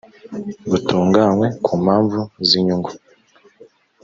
butunganywe ku mpamvu z inyungu